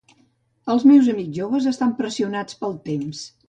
Els meus amics joves estan pressionats pel temps.